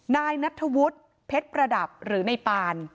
นายนัทธวุฒิเพชรประดับหรือในปาน